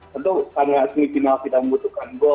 tentu karena semifinal tidak membutuhkan gol